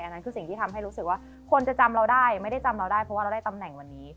นั่นคือสิ่งที่ทำให้รู้สึกว่าคนจะจำเราได้ไม่ได้จำเราได้เพราะว่าเราได้ตำแหน่งวันนี้